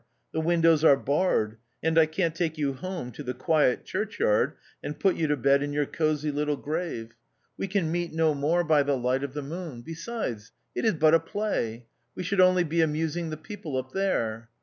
The windows are barred, and I can't take you home to the quiet churchyard and put you to bed in your cosy little grave. We can THE OUTCAST. 31 meet no niDre by the light of the moon. Besides, it is but a play ; we should only be amusing the people up there.